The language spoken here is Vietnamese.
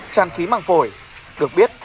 tràn khí mạng phổi được biết